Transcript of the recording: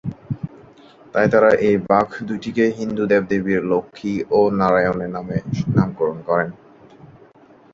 তাই তারা এই বাঘ দু’টিকে হিন্দু দেব-দেবী লক্ষ্মী ও নারায়ণের নামে নামকরণ করেন।